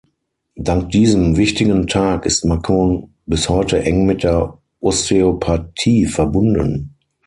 Dank diesem wichtigen Tag ist Macon bis heute eng mit der Osteopathie verbunden.